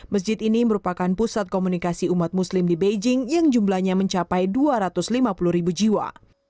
masjid ini merupakan pusat komunikasi umat muslim di beijing yang jumlahnya mencapai dua ratus lima puluh ribu jiwa